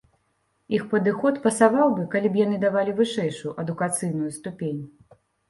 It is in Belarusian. Іх падыход пасаваў бы, калі б яны давалі вышэйшую адукацыйную ступень.